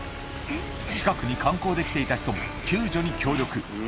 近くに観光で来ていた人も救助に協力。